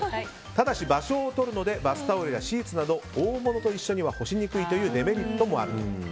ただし、場所をとるのでバスタオルやシーツなど大物と一緒には干しにくいというデメリットもあると。